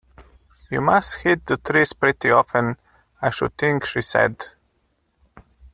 ‘You must hit the trees pretty often, I should think,’ she said.